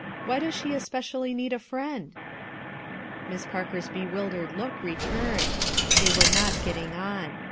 Why does she especially need a friend?" Miss Parker's bewildered look returned; they were not getting on.